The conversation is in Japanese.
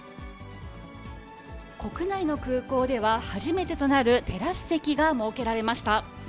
国内の空港では初めてとなるテラス席が設けられました。